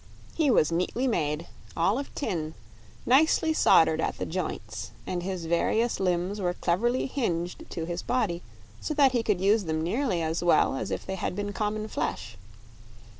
He was neatly made, all of tin, nicely soldered at the joints, and his various limbs were cleverly hinged to his body so that he could use them nearly as well as if they had been common flesh.